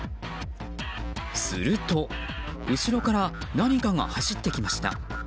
すると、後ろから何かが走ってきました。